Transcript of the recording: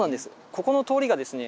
ここの通りがですね